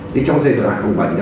trong giai đoạn hữu bệnh